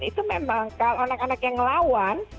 itu memang kalau anak anak yang lawan